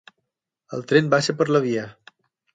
El tren baixa per la via.